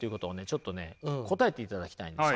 ちょっとね答えていただきたいんです。